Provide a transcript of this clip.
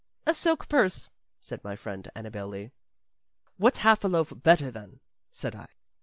"A silk purse," said my friend Annabel Lee. "What's half a loaf better than?" said I.